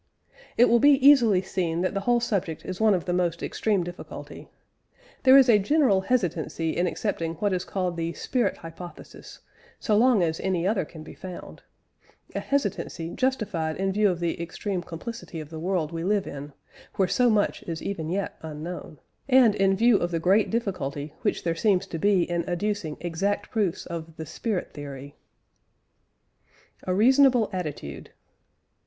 It will be easily seen that the whole subject is one of the most extreme difficulty. There is a general hesitancy in accepting what is called the "spirit hypothesis," so long as any other can be found; a hesitancy justified in view of the extreme complexity of the world we live in (where so much is even yet unknown), and in view of the great difficulty which there seems to be in adducing exact proofs of the "spirit theory." A REASONABLE ATTITUDE.